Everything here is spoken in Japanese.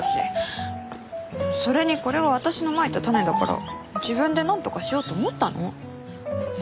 それにこれは私のまいた種だから自分でなんとかしようと思ったの。